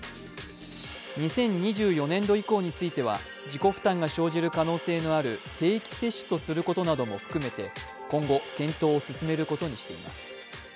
２０２４年度以降については自己負担が生じる可能性のある定期接種とすることなども含めて今後検討を進めることにしています。